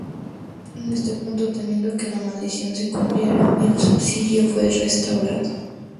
En este punto, temiendo que la maldición se cumpliera, el Subsidio fue restaurado.